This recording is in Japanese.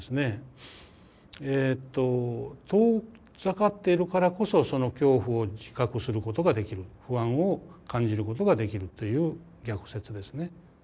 えっと遠ざかっているからこそその恐怖を自覚することができる不安を感じることができるという逆説ですね。